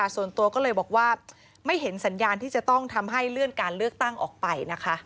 ส่วนตัวก็เลยบอกว่าไม่เห็นสัญญาณที่จะต้องทำให้เลื่อนการเลือกตั้งออกไปนะคะ